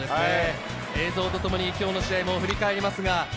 映像とともに今日の試合を振り返ります。